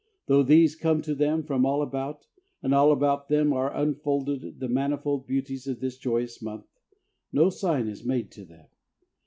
Though these come to them from all about, and all about them are unfolded the manifold beauties of this joyous month, no sign is made to them.